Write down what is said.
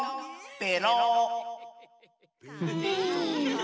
ペロ！